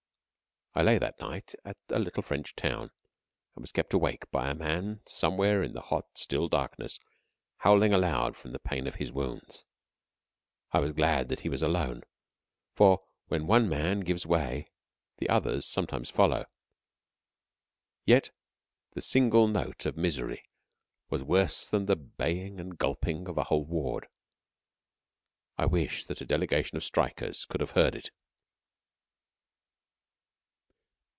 I lay that night at a little French town, and was kept awake by a man, somewhere in the hot, still darkness, howling aloud from the pain of his wounds. I was glad that he was alone, for when one man gives way the others sometimes follow. Yet the single note of misery was worse than the baying and gulping of a whole ward. I wished that a delegation of strikers could have heard it.